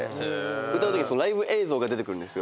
歌うときにライブ映像が出てくるんですよ。